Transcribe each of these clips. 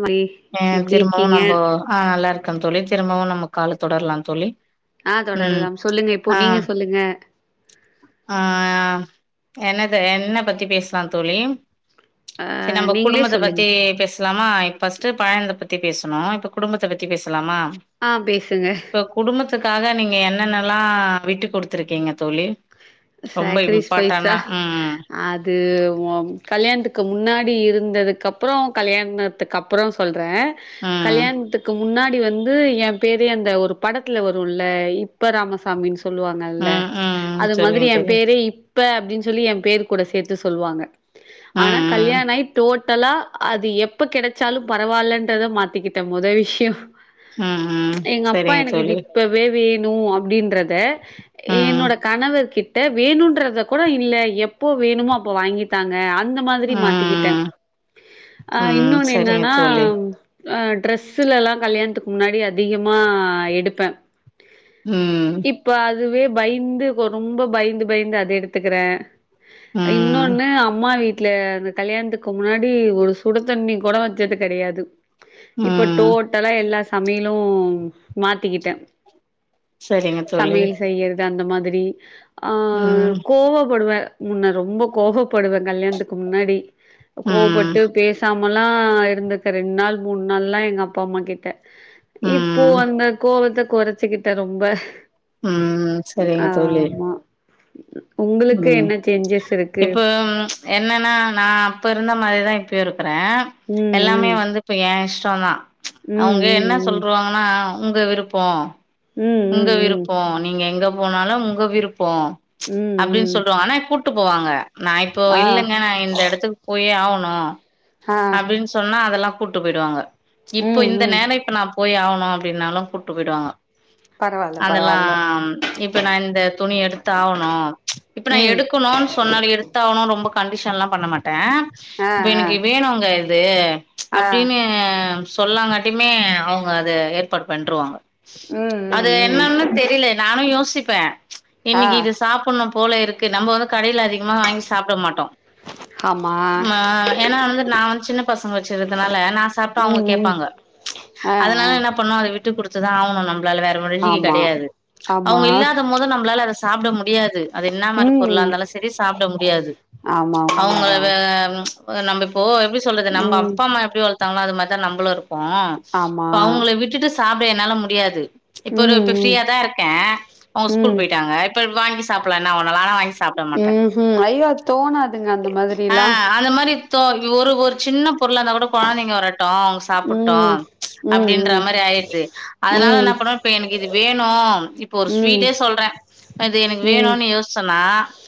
மதி ஆஹ் எப்டி திரும்பவும் இருக்கீங்க நம்ம ஆஹ் நல்லா இருக் வணக்கம் தோழி திரும்பவும் நம கால தொடரலாம் தோழி ஆஹ் ம். தொடரலாம் சொல்லுங்க இப்போ ஆ நீங்க சொல்லுங்க என்னத என்ன பத்தி பேசலாம் தோழி ஆ சரி நம்ம நீங்களே குடும்பத்தை சொல்லுங்க பத்தி பேச லாமா பர்ஸ்ட் பயணத்தை பத்தி பேசணும் இப்ப குடும்பத்தை பத்தி பத்திபேசலாமா ஆ பேசுங்க இப்ப குடும்பத்தை துகாக நீங்க என்னென்னல்லாம் விட்டு கொடுத்துருக்கீங்க தோழி ரொம்ப இம்பார்ட்டனா உம் து ஓ கல்யாணத்துக்கு முன்னாடி இருந்ததுக்கு அப்புறம் கல்யாணத்துக்கு அப்புறம் சொல்ல ற ம். கல்யாணத்துக்கு முன்னாடி வந்து என் பேரே அந்த ஒரு படத்துல வரும்ல இப்ப ராமசாாமின்னு சொல்லி சொல்லுவாங்கல்ல ம். ம். அது மாதிரி சொல்லுங்க என் தோழி. பேரே இப்ப அப்டின்னு சொல்லி என் பேருக்ககூட சேர்த்து சொல்வாங்க ஆனா ம். ம். கல்யாண ஆகி தோட் ட்டலா அது எப்ப கிடைச்சாலும் பரவாயில்லன்றத மாத்திக்கிட்டேன் மொத விஷயம் உம் உம் சரிங்க தோழி வேணும் அப்படின்றது த ம். என்னோட கணவர் கிட்ட வேணுன்றத கூட இல்ல எப்போ வேணுமோ அப்ப வாங்கித்தாங்க அது அந்த மாதிரி மாத்திக்கிட்டேன் ம். ஆஹ் ம். இன்னொன்னு சரிங்க என்னன்னா தோழி. அஹ் டிரஸ்லலாம் கல்யாணத்துக்கு முன்னாடி அதிகமா எடுப்பேன் உம் இதுவே பயந்து ப்போ ரொம்ப பயந்து பயந்து அத எடுத்துக்கிறேன் ம், இன்னொன்னு அம்மா வீட்டு வீட்டுல அந்த கல்யாணத்துக்கு முன்னாடி ஒரு சுட தண்ணிக்கூட வச்சது கெடையாது இப்ப ம். டோட்டலா எல்லா சமையலு மாத்திக்கிட்டேன் சரிங்க தோழி. சமையல் செய்யறது அந்த மாதிரி ஆ ம், கோவப்படுவே முன்ன ரொம்ப கோவப்படுவே கல்யாணத்துக்கு முன்னாடி ம், கோவப்பட்டு பேசாம சம்மல்லா இருந்துருக்க ரெண்டு நாள் மூணு நாள்லா எங்க அப்பா அம்மா கிட்ட இப்போ ம், அந்த கோவத்த கொறச்சிக்கிட்டே ரொம்ப ம் சரிங்க தோழி ம் ம் இப்ப ம்ச் என்னன்னா நா அப்ப இருந்த மாரிதா இப்ப பேரு இருக்குறே ம் எல்லாமே ம் வந்து இப்ப ஏ இஷ் சொன்னா ச் ம் அவங்க ம் என்ன சொல்றுவாங்கனா உங்க விருப்போ ம் உங்க ம் ம் ம் விருப்போ நீங்க எங்க போனாலு உங்க விருப்ப ப்போ ம்ச் ம் அப்டின்னு ம் சொல்றுவாங்க ஆனா கு கூட்டு போவாங்க நா இப்போ ஆ இல்லங்க நா இந்த எடத்துக்கு போயே ஆகணு னு ஆ அப்டின்னு சொன்னா அதெல்லா கூட்டு போயிடுவாங்க இப்போ ம் இந்த ம் நேனே இப்ப நா போயே ஆவணு அப்டின்னாலு கூட்டு போயிடுவாங்க பரவால்ல அதெல்லா பரவால்ல இப்ப நா இந்த துணி எடுத்தாவணு ம்ச் இப்ப நா ம் எடுக்கணுனு சொன்னாலு எடுத்து ஆவணு ரொம்ப கண்டிஷன்லா பண்ண மாட்ட பா ஆ இப்ப ஆ எனக்கு வேணுங்க இது ம்ச் ஆ அப்டின்னு சொல்லாங்காட்டியுமே அவங்க அத ஏற்பாடு பண்ருவாங்க உம் அது என்னன்னு தெரியில நானு யோசிப்பே ம்ச் ஆ இன்னிக்கு இது சாப்புடுனு போல இருக்கு நம்ம வந்து கடையில அதிகமாக வாங்கி சாப்ட மாட்டோ ஆமா ஆ ஏன்னா வந்து நா வந்து சின்ன பசங்க வச்சிருதுனால நா சாப்ட்டா ம் அவுங்க ம் கேப்பாங்க ம்ச் ஆ அதனால ஆ என்ன பண்ணோ அத விட்டு கொடுத்து ச்சு ஆவனு நம் வேல வேற வழி ஆமா கெடையாது ஆமா அவுங்க இல்லாதமோது நம்ளால அத சாப்ட முடியாது து அது என்னா மாரி பொருளா ம் இருந்தாலு சரி சாப்ட முடியாது ச் ஆமா அவங்ள உண்மதா வ ச் நம்ம இப்போ எப்டி சொல்றது நம்ம ம் அப்பா அம்மா எப்டி வளத் தாங்ளோ அது மாரிதா நம்மலு இருப் ப்போ ஆமா இப்போ அவுங்களை விட்டுட்டு சாப்ட என்னால முடியாது ச் இப்ப ஒரு ம் இப்ப ம் ஃப்ரீயா தா இருக்கே அவுங்க ஸ்கூல் போய்ட்டாங்க இப்ப வாங்கி சாப்புட்லா நா ம்ஹும் ஐய்யோ தோணாதுங்க அந்த மாதிரில்லா தொ ஒரு ஒரு சின்ன பொருளா இருந்தா கூட கொழந்தைங்க வரட் டொ அவுங்க சாப்புட்டு ம் ச் ம் அப்டின்ற ம் மாதிரி ஆய்டுது அதுனால ம் என்னா பண்ணுவே எனக்கு இது வேணு இப்ப ஒரு ம் ஸ்வீட்டே சொல்றே இது எனக்கு ம் வேணுனு யோசிச்சனா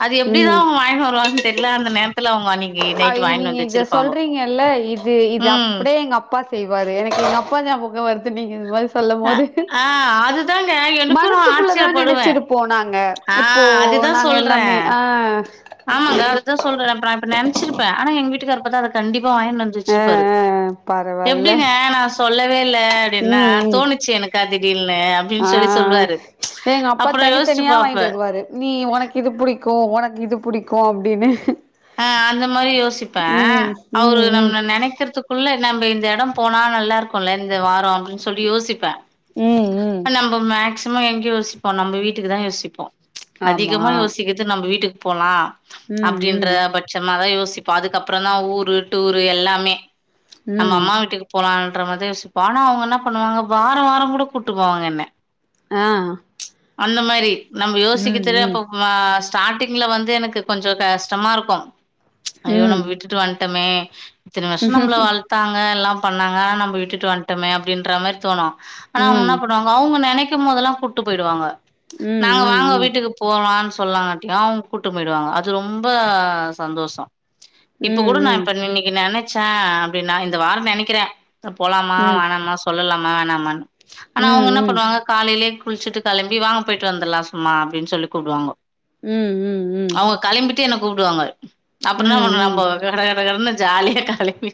அது எப்டி தா ம் அவுங்க வாங்கினு வருவாங்கன்னு தெரில அந்த நேரத்துல அவுங்க அன்னைக் அய் நீங்க இத சொல்றீங்கல்ல இது இது ம் அப்டியே எங்க அப்பா செய்வாரு எனக்கு எங்க அப்பா ஞாபகோ வருது நீங்க இது மாரி சொல்லம் அ போது ஆ அதுதாங்க மனசுக்குள்ளதா நெனச்சிருப்போ நாங்க இப்போ ஆஹ் அதுதா நாங்க சொல்றே எல்லாமே ஆ ஆமாங்க அதுதா சொல்றே அப்ரோ நெனச்சிருப்பே ஆனா எங்க வீட்டுக்காரு பாத்தா அத கண்டிப் பா வாங்கினு வந்து ஆ வச்சிருப்பாரு ஆ பரவால்ல எப்டிங்க நா சொல்லவே இல்ல அப்டின்னா ம் ம் தோணுச்சு எனக்கா திடீர்னு ஆ அப்டின்னு சொல்லி சொல்லுவாரு ச் அப்ரோ யோசிச்சு பாப் ட்டு வருவாரு நீ உனக்கு இது புடிக்கு உனக்கு இது புடிக்கு அப்டின்னு ஆஹ் அந்த மாரி யோசிப்பே ம் அவரு ம் நம் ம் ம நெனைக்றதுக்குள்ள நம்ம இந்த எடோ போனா நல்லா இருக்குல இந்த வாரோ அப்டின்னு சொல்லி யோசிப்பே ம் ம் நம்ம மே மேக்சிமோ எங்க யோசிப்போ நம்ம வீட்டுக்கு தான் யோசிப்போம் ச் அதிகமா யோசிக்கிறது நம்ம வீட்டுக் போலாம் உம் உம் பட்சமாதான் யோசிப்போம் அதுக்கப்புறம் தான் ஊரு டூரு எல்லாமே நம்ம ம் அம்மா வீட்டுக்கு போலாம் ண்ற மாதிரி சிப்ப ஆனா அவுங்க என்ன பண்ணுவாங்க வார வார கூட கூட்டு போவாங்க என்ன ஆஹ் அந்த மாரி நம்ம யோசிக்கித்திர அப்ப ஸ்டார்டிங்ல வந்து எனக்கு கொஞ்ச கஷ்டமா இருக்கு ஐயோ ம் ம் நம்ம விட்டுட்டு வந்து டமே இத்தனை வருஷ நம்ள வ ளத்தாங்க எல்லாம் பண்ணாங்க நம்ம விட்டு வன்ட்டமே அப்படின்ற மாரி தோணு ஆனா அவுங்க ம் எண்ண பண்ணுவாங்க அவங்க நெனைக் போதெல்லா கூட்டு போய்டுவாங்க ம் நாங்க ம் வாங்க ம் வீட்டுக்கு போலானு சொல்லாங்காட்டியு அவுங்க கூட்டு போயிடுவாங்க அது ரொம்ப சந்தோஷம் ம் இப்ப கூட நா ம் இப்ப இன்னைக்கு நெனை ச்ச அப் படின்னா இந்த வார நெனைக்கிறே போலாமா ம் வேணாமா சொல்லலாமா வேணாமா னு ஆனா அவங்க ம் என்ன பண்ணுவாங்க காலையிலே குளிச்சிட்டு கிளம்பி வாங்க போயிட்டு வந்தலா சும்மா அப்படின்னு சொல்லி கூப்டுவாங்க உம் உம் உம் அவங்க கெளம்பிட்டு என்ன கூப்பிடுவாங்க அப்புறந்தா நா போவே கட கட கடன்னு ஜாலியா கெளம்பி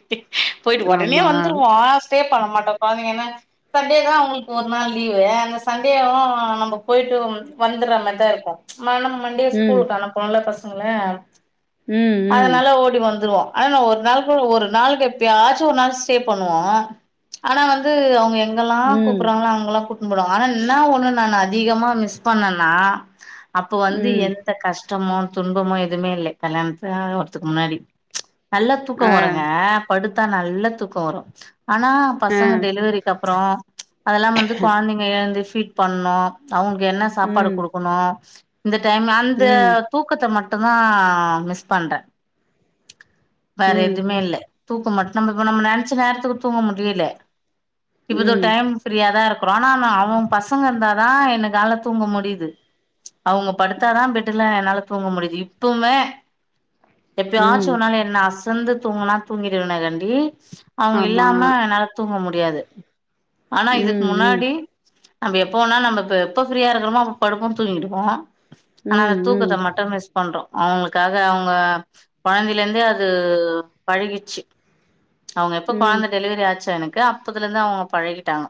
போயிட்டு உடனே ஆமா வந்துருவோ பண்ண மாட்டோ பாவ ஏன்னா சண்டே தா அவங்களுக்கு ஒரு நாள் லீவு அந்த சண்டேயு நம்ம போயிட்டு வந்துடுற மாரி தா இருக்கு நா ஏனா மண்டே ம் ஸ்கூலுக்கு அனுப்புனல்ல ஃபஸ்ட் னுல ப்ச் ம் ம் அதனால ஓடி வந்துருவோ ஆனா ந ஒரு நாள் ஒரு நாளுக்கு எப்ப ஆச்சும் ஒரு நாள் ஸ்டே பண்ணுவோ ஆனா வந்து அவங்க எங்க எங்களா ம் கூப்படுறாங்கள அங்கல்லா கூட்னு போவாங்க ஆனா என்ன ஒண்ணு நான் அதிகமா மிஸ் பண்ணனா அப்போ வந்து ம் எந்த கஷ் டமோ துன்பமோ எதுமே இல்லை கல்யாணத்து [unintelligible] ஆவரத்துக்கு முன்னாடி நல்ல தூக்க ஆ வருங்க படு த்தா நல்ல தூக்கோ வரு ஆனா ஆ பசங்க டெலிவரிக்கு அப்புறோ அதெல்லா வந்து கொழந்தைங்க எழுந்தி ஃபீட் பண்ணு அவங்களுக்கு என்ன சாப்பாடு ம் குடுக்கணு இந்த டைமு அந்த ம் தூக்கத்த மட் டு தா மிஸ் பண்றே வேற ம் எதுமே இல்ல தூக்க மட்டு நம்ம இப்ப நம்ம நெனைச்ச நேரத்துக்கு தூங்க முடியலே இப்போ இதோ ம் டைம் ஃப்ரீயா தா இருக் கிறோ ஆனா நா அவங்க பசங்க இருந்தா தா எனக்காலத் தூங்க முடியிது அவங்க படுத்தா தா பெட்டுல என்னால தூங்க முடியிது இப்பமே எப்பயாச்சு ம் ஓர்நாளு என்ன ஆச சேந்து தூங்கினா தூங்கிடுவேனாகாண்டி அவங்க ஆமா இல்லாம என்னால தூங்க முடி முடியாது ஆனா இதுக்கு ம் ம் முன்னாடி நம்ம எப்போ வோனா நம்மப்ப எப்ப ஃப்ரியா இருக்கறமோ அப்ப படுப்போ தூங்கிடுவோ ஆனா அந்த ம் தூக்கத்த ம் மட்டு மிஸ் பண்றோ அவங்களுக்காக அவங் உங்க குழந்தையில இருந்தே அது பழகிச்சு அவங்க எப்ப ம் ம் குழந்த டெலிவரி ஆச்சு எனக் கு அப்பத்துலருந்து அவங்க பழகிட்டாங்க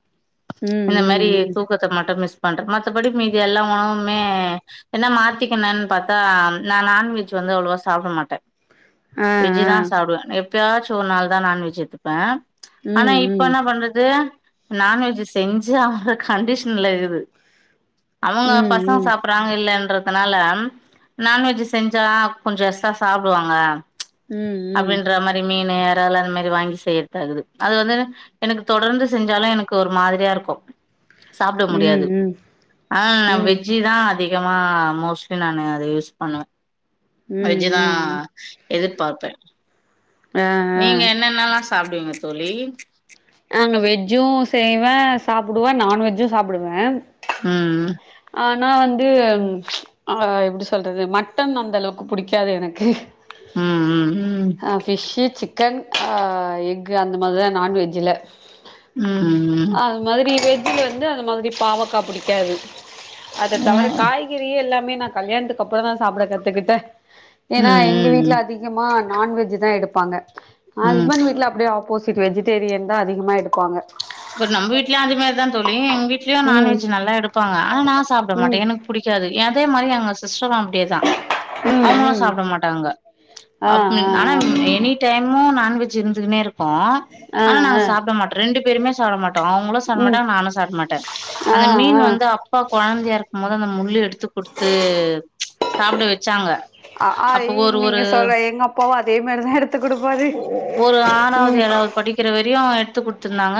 இந்த மாரி ம் ம் தூக்கத்த மட்டு மிஸ் பண்றே மத்தபடி மீது எல்லா உணவுமே என்ன மாத்திக்கனன்னு பாத்தா நா நான்வெஜ் வந்து அவ்ளா சாப்பிட மாட்டே ஆ ஆ வெஜ்தா சாப்பிடுவே எப் எப்பயாச்சு ஒரு நாள் தா நான்வெஜ் எடுத்துப்பே ஆனா ம் இப்ப ம் என்ன பண்றது நான்வெஜ் செஞ்சா ஒரு கண்டிஷன்ல இருக்குது அவங்க ம் பசங்க ம் சாப்றாங்க இல்லன்ற துனால நான்வெஜ் செஞ்சா கொஞ்சோ எக்ஸ்ட்றா சாப்டுவாங்க ம் ம் ம் அப்டின்ற மாரி மீனு காளான் மாரி வாங்கி செய்றதாகுது அது வந்து எனக்கு தொடர்ந்து செஞ்சாலு எனக்கு ஒரு மாதிரியா இருக்கு சாப்ட முடியாது ம் ஆ ம் நா ம் ம் வெஜ்ஜிதா அதிகமா மோஸ்ட்லி நானு அத யூஸ் பண்ணுவே வெஜ்தா ம் எதிர்ப் பாப்பே ஆ ஆ நீங்க என்னென்னல்லா சாப்டுவீங்க தோழி நாங்க வெஜ்ஜு சாப்டுவே ம்ம் ஆனா வந்து ஆ எப்டி சொல்றது மட்டன் அந்த அளவுக்கு புடிக்காது எனக்கு ம் ம் ம் ஆ ஃபிஷூ சிக் சிக்கன் ஆ எஃகு அந்த மாதிதா நான்வெஜ்ல ம்ம் துல வந்து அந்த மாதிரி பாவக்கா புடிக்காது அத ஏ தவர ம் காய்கறி எல்லா அதுவுமே நா கல்யாணத்துக்கு அப்றோ தா சாப்பிட கத்துக்கிட்டே ஏன்னா எங்க ம் வீட்ல ம் அதிகமா நான்வெஜ் தா எடுப்பாங்க ம் ஹஸ்பண்ட் வீட்ல அப்டியே ஆப்போசிட் இதுக்கு வெஜிடேரியன் தா அதிகமாக எடுப்பாங்க பட் நம்ம வீட்லயு அது மாரிதா தோழி எங்க வீட்லயு ம் நான்வெஜ் நல்லா எடுப்பாங்க ஆனா நா சாப்ட ம் மாட்டே எனக்கு புடிக்காது எதே மாரி எங்க ஹஸ் சிஸ்டரு அப்டியே தா ம் அவங்களு ம் சாப்ட மாட்டாங்க ஆ அப் ஆ ஆனா எனி டைமும் நானு நான்வெஜ் இருந்துக்குனே இருக் ப்போ ஆ ஆனா நாங்க ஆ ஆ சாப்ட மாட்டோ ரெண்டு பேருமே சாப்ட மாட்டோ அவங்களு சாப்ட ம் மாட்டாங்க நானு சாப்ட மாட்டே ஆ அந்த மீன் ஆ வந்து அப்பா கொழந்தையா இருக்கும் போது அந்த முள்ளு எடுத்து குடுத்து சாப்பிட வெச்சாங்க அஹ் ஹ ய் நீங் சொல் எங்க அப்பாவு அதே மாதா எடுத்து குடுப்பாரு ஒரு ஆறாவது ம் ஏழாவது படிக்கிற வரையு எடுத்து குடுத்துருந்தாங்க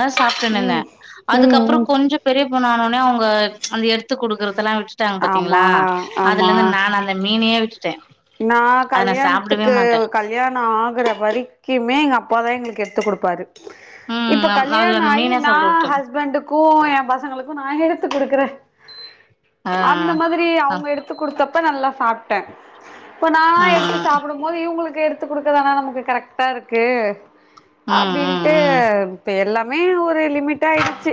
ம் [unintelligible] ம் ம் அதுக்கப்றம் கொஞ்சோ பெரிய [unintelligible] ஆனா வுடானே அவங்க அந்த எடுத்து குடுக்குறது அதல்லா விட்டாங்க ஆமா பாத்தீங்களா அதுல ஆமா இருந்து நானு அந்த மீனையே விட்டுட்டே நா அத நா சாப்டவே கல்யாண்த்துக்கு மாட்டே கல்யாணோ ஆகற வரைக்குமே எங்க அப்பாதா எங்களுக் கு எடுத்து குடுப்பாரு இப்ப ம் அது அந்த கல்யாணாயி மீனே நா சாப்ட விட்டே ஹஸ்பண்டுக்கு என் பசங்களுக்கு நா எடுத்து குடுக்கறே ஆ அந்த மாதிரி ஆ அவங்க எடுத்து குடுத்தப் ப நல்லா சாப்ட்டே இப்ப நானா எடுத்து ம் சாப்டும்போது இவங்ளுக் எடுத்து குடுக்க தான நமக்கு கரெக்டா இருக்கு ம் ம் அப்டின்ட்டு இப்ப எல்லா மே ஒரு லிமிட்டா ஆயிடுச்சு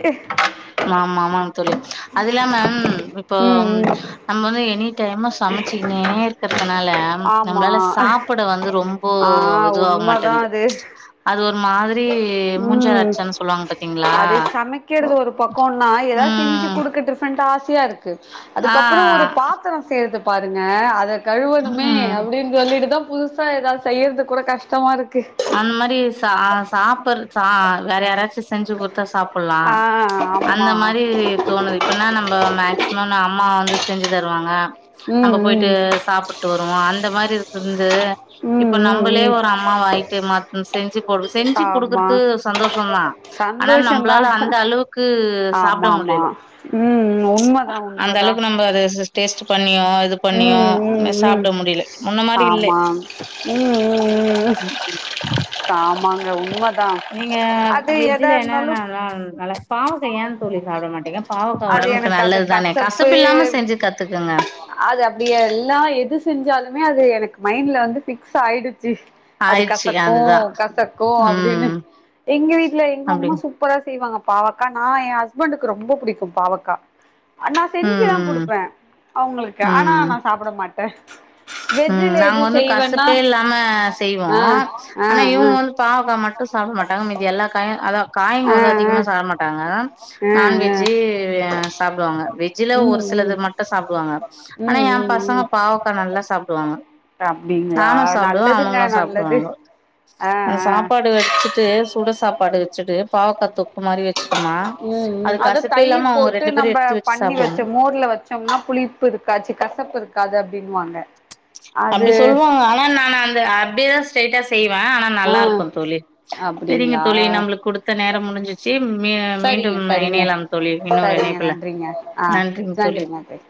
மா ஆமாம் தோழி அதுல்லாம இப்போ ம் ம் நம்ம வந்து எனி டைமு சமச்சிக்னே இருக்கறதுனால ஆமா நம்ளால சாப்பட வந்து ரொம்ப ஆ இதுவாக உண்மதா மாட்டேன்து அது அது ஒர் மாதிரி மூஞ்சார் ம் அட்ச்சன் சொல்வாங்க பாத்தீங்ளா கோனா எதாது செஞ்சு குடுக்க [unintelligible] ன்ட்டு ஆசையாருக் கு ஆ அதுக்கப்பறோ ஒரு பாத்தரோ சேர்து பாருங்க அத கழுவணுமே ம் அப்டின் சொல்லிட்டு தா புதுசா எதாவ் செய்யறதுக்கூட கஷ்டமா இருக் அந் மாரி சா சாப்ட்ர் சா வேற யாராச்சு செஞ்சு குடுத்தா சாப்பிட்லா ஆ அந்த ஆமா மாரி தோணுது இப்பன்னா நம்ப மேக்சிமம் நா அம்மா வந்து செஞ்சு தருவாங்க நம்ம ம் போய்ட்டு ம் சாப்புட்டு வருவோ அந் த மாரி இருக்குந்து ம் இப்ப ம் நம்பளே ம் ஒரு அம்மாவாய் [unintelligible] செஞ்சு ஒரு செஞ்சி ஆமா குடுக்கறது சந்தோஷந்தா ஆனா சந்தோஷந்தா நம்பளால அந்தளவுக்கு ஆமா ஆமா உம் உண்ம தா உண்ம தா [unintelligible] டேஸ்ட்டு பண் ணியோ இது பண்ணியோ மே ம் ம் சாப்ட முடில முன்ன மாரி இல்லே ஆமா ம் ம் ம் ஆமாங்க உண்ம தா அது எதா வெஜ்ஜுல இர்ந்தாலு என்னன்னா நல்லா பாவக்கா ஏன் தோழி சாப்ட மாட்டிங்க பாவக்கா அது ஒடம்புக்கு எனக்கு அது நல்லது தானே கசப்பு இல்லாம செஞ்சு கத்துக்குங்க அ அது அப்டியே இல்லாம எது செஞ்சாலுமே அது எனக்கு மைண்ட்ல வந்து ஃபிக்ஸ் ஆயிடுச் சி அது ஆயிடுச்சு கசக்கு அதுதா கசக்கு அப்டின்னு ம் எங்க வீட்ல எங்க அப்டி அம்மா சூப்பரா செய்வாங்க பாவக்கா நா என் ஹஸ்பண்டக்கு ரொம்ப புடிக்கு பாவக்கா நான் செஞ்சியல்லா ம் குடுப்ப அவுங்ளுக்கு ஆனா நா சாப்பட மாட்ட அஹ் உம் நாங்க வந்து கசப்பே இல்லாம செய்வோ ஆ ஆ ஆனா ஆ ஆ இவங்க வந்து பாவக்கா மட்டு சாப்ட மாட்டாங்க மீது எல்லா காயும் அதான் காய்ங்க வந்து ஆ அதிகமா சாப்ட மாட்டாங்க ஆ ஆ நான்வெஜ்ஜு சாப்டுவாங்க வெஜ்ஜில ம் ஒரு ம் சிலது மட்டு சாப்டுவாங்க ஆனா ம் என் ம் பசங்க ம் பாவக்கா நல்லா சாப் டுவாங்க அப்டிங்களா நானு சாப்டுவ நல்லதுங்க அவுங்களு நல்லது சாப்டுவாங்க ஆ அந்த ஆ சாப்பாடு வடிச்சிட்டு சுட சாப்பாடு வச்சுட்டு பாவக்கா தொக்கு மாரி வச்சு உம்ஹ் ஹ் அத தயிர் போட்டு ரெண்டு பேரு நம்ப எடுத்து வச்சு பண்ணி சாப்டுவாங்க வச்சோ மோர்ல வச்சோம்னா புளிப்பு இருக்காச்சு ச்ச கசப்பு இருக்காது அப்டின் ன் வாங்க அப்டி சொல்லுவாங்க ஆனா நானு அந்த அப்டேதா ஸ்ரைட்டா செய் செய்வ ஆனா ஆ நல்லாருக்கு தோழி சரிங்க அப்டிங்களா தோழி நம்ளுக்கு குடுத்த நேரம் முடிஞ்சிச்சு மீ சரிங்க மீண்டும் சரிங்க இணையலா தோழி இன்னொரு சரிங்க இணைப்புல நன்றிங்க ஆ நன்றிங்க தோழி நன்றி நன்றி